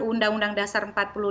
undang undang dasar empat puluh lima